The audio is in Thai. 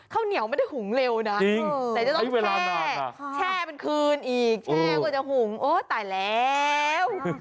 ข้าวเหนียวไม่ได้หุงเร็วนะแต่จะต้องแช่แช่มันคืนอีกแช่ก็จะหุงโอ้ตายแล้ว